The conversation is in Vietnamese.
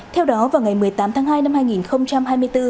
theo đó vào ngày một mươi tám tháng hai năm hai nghìn một mươi chín